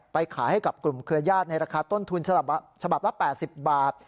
ขายให้กับกลุ่มเครือญาติในราคาต้นทุนฉบับละ๘๐บาท